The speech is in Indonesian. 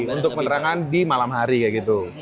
untuk penerangan di malam hari kayak gitu